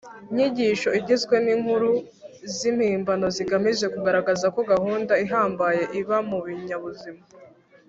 nyigisho igizwe n inkuru z impimbano zigamije kugaragaza ko gahunda ihambaye iba mu binyabuzima